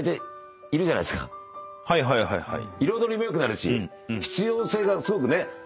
はいはいはいはい。